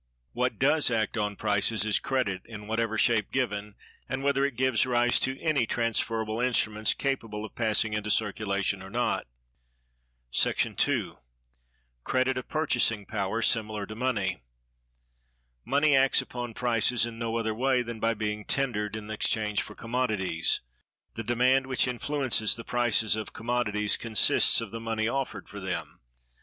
What does act on prices is Credit, in whatever shape given, and whether it gives rise to any transferable instruments capable of passing into circulation or not. § 2. Credit a purchasing Power, similar to Money. Money acts upon prices in no other way than by being tendered in exchange for commodities. The demand which influences the prices of commodities consists of the money offered for them.